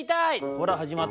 「ほらはじまった」。